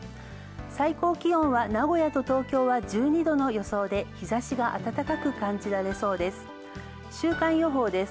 最高気温は名古屋と東京は１２度の予想で日差しが暖かく感じられそうです。